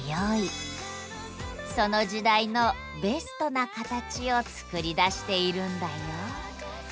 その時代の「ベストなカタチ」を作り出しているんだよ